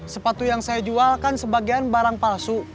sepatu yang saya jual kan sebagian barang palsu